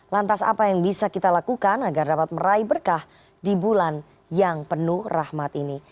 lantas apa yang bisa kita lakukan agar dapat meraih berkah di bulan yang penuh rahmat ini